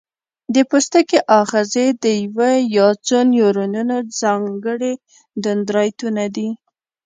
د پوستکي آخذې د یو یا څو نیورونونو ځانګړي دندرایدونه دي.